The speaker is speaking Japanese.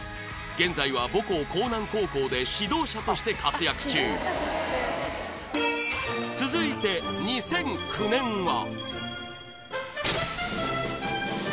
現在は母校興南高校で指導者として活躍中続いて２００９年は？